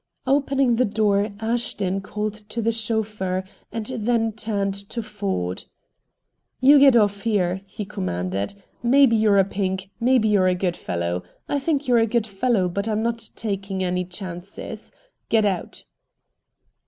Opening the door Ashton called to the chauffeur, and then turned to Ford. "You get off here!" he commanded. "Maybe you're a 'Pink,' maybe you're a good fellow. I think you're a good fellow, but I'm not taking any chances. Get out!"